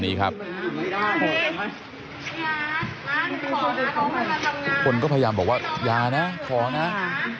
ทุกคนก็พยายามบอกว่าอย่านะขอนะ